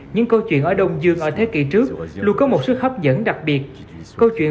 những câu chuyện ở đông dương ở thế kỷ trước luôn có một sức hấp dẫn đặc biệt câu chuyện